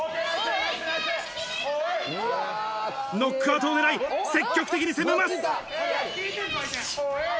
ノックアウトを狙い積極的に攻めます。